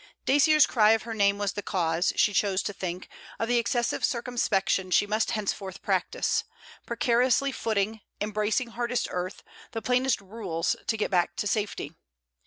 Dacier's cry of her name was the cause, she chose to think, of the excessive circumspection she must henceforth practise; precariously footing, embracing hardest earth, the plainest rules, to get back to safety.